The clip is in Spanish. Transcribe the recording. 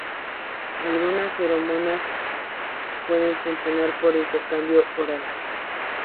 Algunas feromonas pueden funcionar por intercambio oral.